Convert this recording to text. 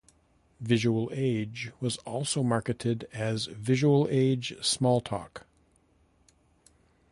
VisualAge was also marketed as "VisualAge Smalltalk".